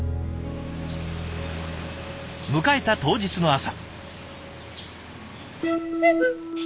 迎えた当日の朝。